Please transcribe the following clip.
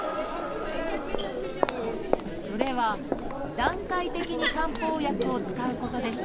それは段階的に漢方薬を使うことでした。